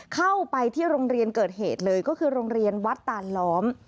เข้าไปที่โรงเรียนเกิดเหตุเลยก็คือโรงเรียนวัดตานล้อม